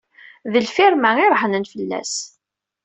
D lfirma i rehnen fell-as.